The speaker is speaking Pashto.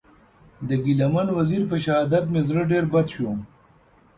د ګیله من وزېر په شهادت مې زړه ډېر بد سو.